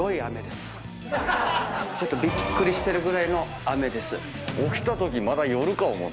ちょっとびっくりしてるぐらいの雨です。